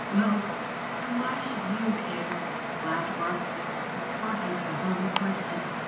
"Well, and why should you care?" laughed Birksie, a heartache behind the question.